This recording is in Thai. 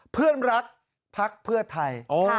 เพื่อนรักพรรคเพื่อนไทย